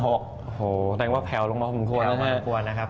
โอ้โฮแปลว่าแผ่วลงมาผลควรนะครับ